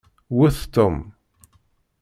Wet Tom!